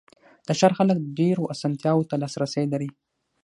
د ښار خلک ډېرو آسانتیاوو ته لاسرسی لري.